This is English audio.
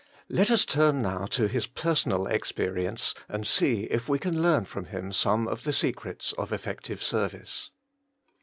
let us turn now to his personal experience, and see if we can learn from him some of the secrets of effective service.